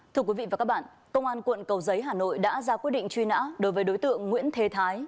thưa quý vị và các bạn công an quận cầu giấy hà nội đã ra quyết định truy nã đối với đối tượng nguyễn thế thái